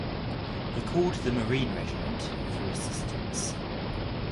He called the Marine Regiment for assistance.